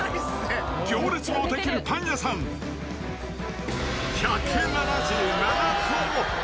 行列の出来るパン屋さん、１７７個。